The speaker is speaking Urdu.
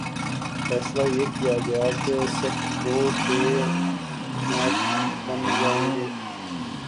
فیصلہ یہ کیا گیا کہہ صرف دو ڈے میٹھ بن ج گے